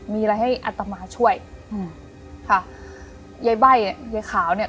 มีอะไรให้อัตมาช่วยอืมค่ะยายใบ้ยายขาวเนี้ย